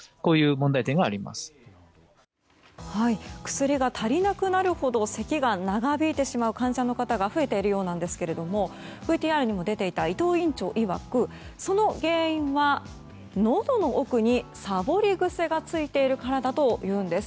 薬が足りなくなるほどせきが長引いてしまう患者の方が増えているようなんですけれどもＶＴＲにも出ていた伊藤院長いわくその原因は、のどの奥にさぼり癖がついているからだというんです。